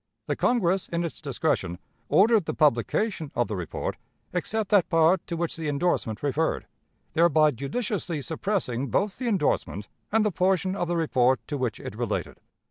The Congress, in its discretion, ordered the publication of the report, except that part to which the endorsement referred, thereby judiciously suppressing both the endorsement and the portion of the report to which it related.